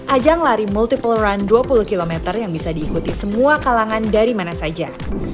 ajang lari multiple run dua puluh km yang bisa diikuti semua kalangan dari mana saja